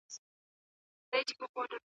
جنګ د کمزورو خلګو کار نه دی.